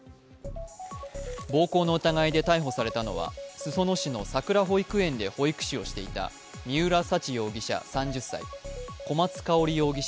暴行の疑いで逮捕されたのは裾野市のさくら保育園で保育士をしていた三浦沙知容疑者３０歳、小松香織容疑者